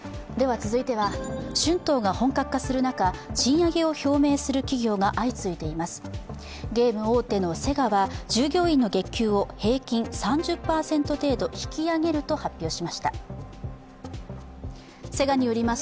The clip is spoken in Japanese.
続いては春闘が本格化する中賃上げを表明する企業が相次いでいます。